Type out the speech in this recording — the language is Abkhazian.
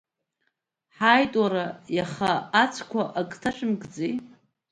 Ҳаит, уара иаха ацәқәа ак ҭашәымкӡеи?